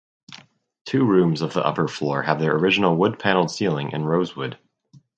Two rooms of the upper floor have their original wood panelled ceiling in rosewood.